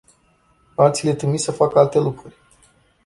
Alții le trimit să facă alte lucruri.